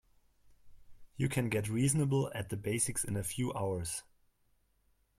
You can get reasonable at the basics in a few hours.